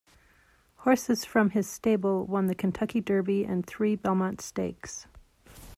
Horses from his stable won the Kentucky Derby and three Belmont Stakes.